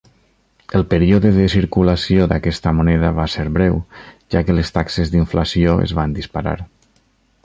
El període de circulació d'aquesta moneda va ser breu, ja que les taxes d'inflació es van disparar.